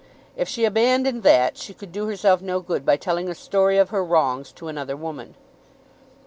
If she abandoned that she could do herself no good by telling a story of her wrongs to another woman.